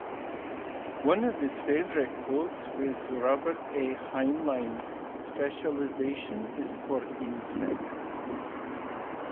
One of his favorite quotes was Robert A. Heinlein's specialization is for insects.